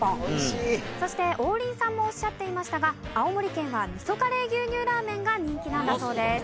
そして王林さんもおっしゃっていましたが青森県は味噌カレー牛乳ラーメンが人気なんだそうです。